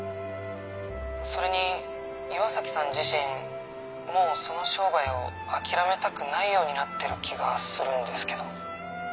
それに岩崎さん自身もうその商売を諦めたくないようになってる気がするんですけど。